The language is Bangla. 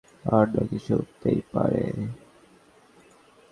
আর নাকি সে উড়তেও পারে।